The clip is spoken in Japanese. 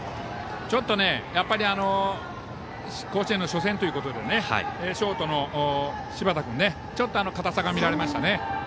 ちょっとやっぱり甲子園の初戦ということでショートの柴田君ちょっと硬さが見られましたね。